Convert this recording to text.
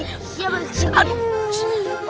iya pak serigiti